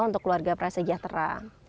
untuk keluarga prasejahtera